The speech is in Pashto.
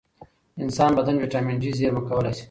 انسان بدن ویټامن ډي زېرمه کولای شي.